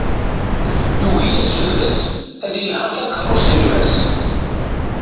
Yugi-yas baba-s ad inher takerrust n gma-s.